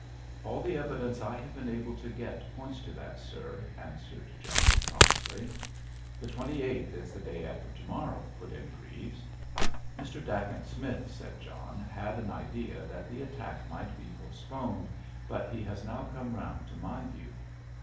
"All the evidence I have been able to get points to that, sir," answered John promptly. "The twenty eighth is the day after to morrow," put in Greaves. "Mr. Dacent Smith," said John, "had an idea that the attack might be postponed, but he has now come round to my view."